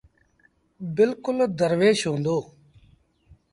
بلڪل دروش هُݩدو۔